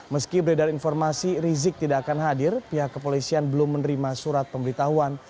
meski beredar informasi rizik tidak akan hadir pihak kepolisian belum menerima surat pemberitahuan